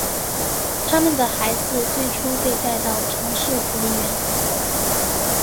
他们的孩子最初被带到城市福利院。